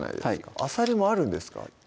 あさりもあるんですか？